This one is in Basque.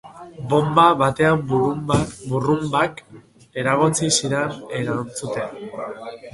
Bonba baten burrunbak eragotzi zidan erantzutea.